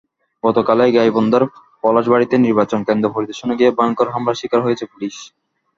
গতকালই গাইবান্ধার পলাশবাড়ীতে নির্বাচন কেন্দ্র পরিদর্শনে গিয়ে ভয়ঙ্কর হামলার শিকার হয়েছে পুলিশ।